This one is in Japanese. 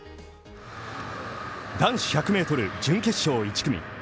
男子１００ｍ準決勝１組。